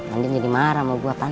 andien jadi marah sama gua pan